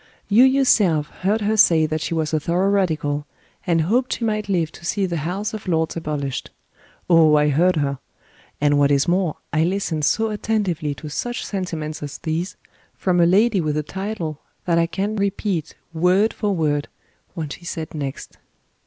You yourself heard her say that she was a thorough Radical, and hoped she might live to see the House of Lords abolished. Oh, I heard her! And what is more, I listened so attentively to such sentiments as these, from a lady with a title, that I can repeat, word for word, what she said next.